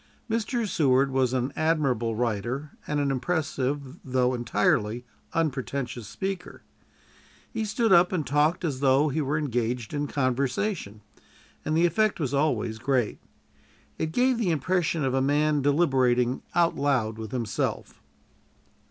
Mr. Seward was an admirable writer and an impressive though entirely unpretentious speaker. He stood up and talked as though he were engaged in conversation, and the effect was always great. It gave the impression of a man deliberating "out loud" with himself.